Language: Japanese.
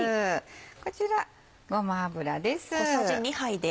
こちらごま油です。